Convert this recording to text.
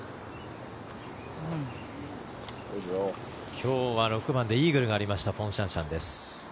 今日は６番でイーグルがありましたフォン・シャンシャンです。